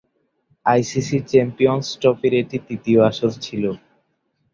ICC champions ট্রফির এটি তৃতীয় আসর ছিল।